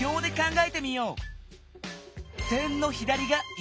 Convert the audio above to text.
え？